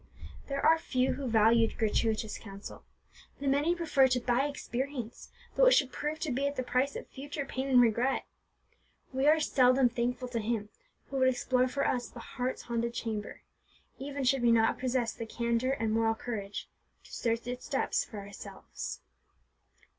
There are few who value gratuitous counsel; the many prefer to buy experience, though it should prove to be at the price of future pain and regret. We are seldom thankful to him who would explore for us the heart's haunted chamber, even should we not possess the candour and moral courage to search its depths for ourselves.